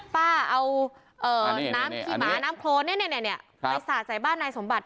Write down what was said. ป้าเอาน้ำขี้หมาน้ำโครนไปสาดใส่บ้านนายสมบัติ